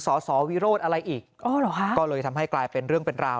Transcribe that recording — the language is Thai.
สสวิโรธอะไรอีกอ๋อเหรอคะก็เลยทำให้กลายเป็นเรื่องเป็นราว